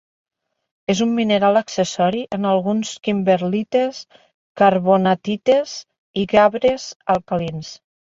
És un mineral accessori en algunes kimberlites, carbonatites i gabres alcalins.